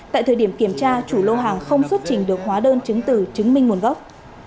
tại thời điểm kiểm tra chủ lô hàng không xuất trình được hóa đơn chứng tử chứng minh nguồn gốc